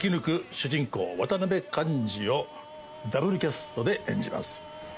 主人公渡辺勘治をダブルキャストで演じます。